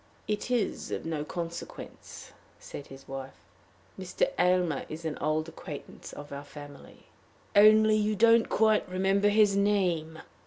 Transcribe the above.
"It is of no consequence," said his wife; "Mr. Aylmer is an old acquaintance of our family." "Only you don't quite remember his name!"